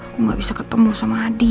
aku gak bisa ketemu sama hadi